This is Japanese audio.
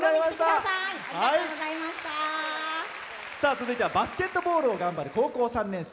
続いてはバスケットボールを頑張る高校３年生。